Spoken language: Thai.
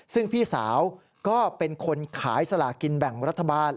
ซึ่งพี่สาวก็เป็นคนขายสลากินแบ่งรัฐบาล